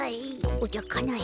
おじゃかなえ。